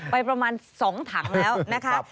ประมาณ๒ถังแล้วนะคะ